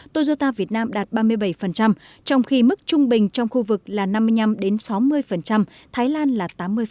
toyota việt nam đạt ba mươi bảy trong khi mức trung bình trong khu vực là năm mươi năm sáu mươi thái lan là tám mươi